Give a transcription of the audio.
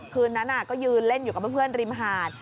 คืนนั้นก็ยืนเล่นอยู่กับเพื่อนริมหาด